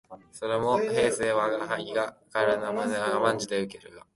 それも平生吾輩が彼の背中へ乗る時に少しは好い顔でもするならこの漫罵も甘んじて受けるが、